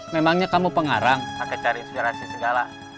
memangnya kamu pengarang akan cari inspirasi segala